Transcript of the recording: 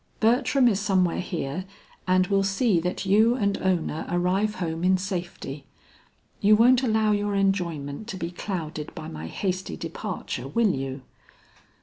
Bertram is somewhere here, and will see that you and Ona arrive home in safety. You won't allow your enjoyment to be clouded by my hasty departure, will you?"